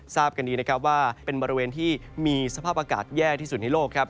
ทราบกันดีนะครับว่าเป็นบริเวณที่มีสภาพอากาศแย่ที่สุดในโลกครับ